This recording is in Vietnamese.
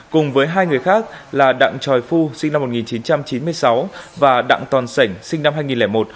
cùng với hai người khác là đặng tròi phu sinh năm một nghìn chín trăm chín mươi sáu và đặng toàn sảnh sinh năm hai nghìn một